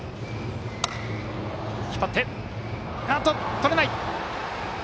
とれない。